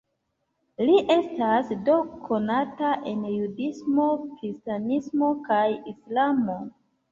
Li estas do konata en judismo, kristanismo kaj islamo.